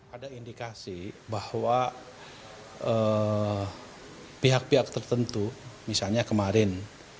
ada indikasi bahwa pihak pihak tertentu misalnya kemarin